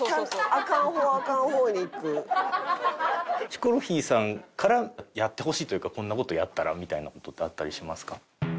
ヒコロヒーさんからやってほしいというかこんな事やったらみたいな事ってあったりしますか？